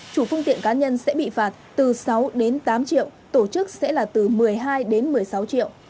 chủ phương tiện cá nhân sẽ bị phạt từ sáu đến tám triệu tổ chức sẽ là từ một mươi hai đến một mươi sáu triệu